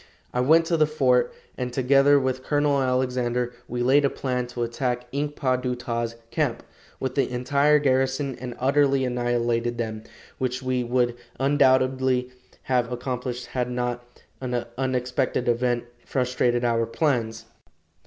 I went to the fort, and together with Colonel Alexander, we laid a plan to attack Ink pa du ta's camp, with the entire garrison, and utterly annihilate them, which we would undoubtedly have accomplished had not an unexpected event frustrated our plans.